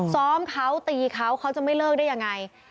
ซ้อมเขาตีเขาเขาจะไม่เลิกได้ยังไง